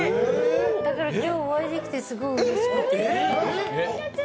だから今日お会いできてすごくうれしくて。